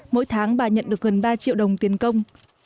mỗi tháng bà nhận được gần ba triệu đồng tiền công